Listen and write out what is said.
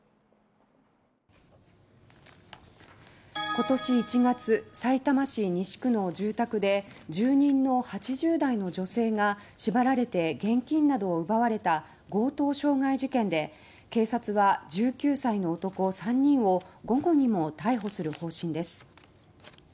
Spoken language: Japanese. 今年１月さいたま市西区の住宅で住人の８０代の女性が縛られて現金などを奪われた強盗傷害事件で警察は１９歳の男３人を午後にも逮捕する方針です。